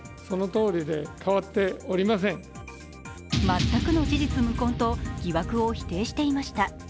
全くの事実無根と疑惑を否定していました。